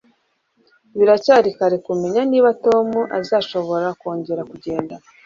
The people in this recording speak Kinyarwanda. Biracyari kare kumenya niba Tom azashobora kongera kugenda